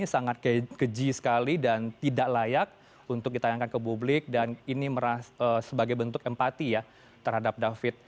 sangat keji sekali dan tidak layak untuk ditayangkan ke publik dan ini sebagai bentuk empati ya terhadap david